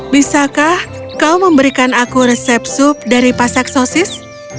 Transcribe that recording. bisakah kau memberikan aku resep sup dari pasak sosis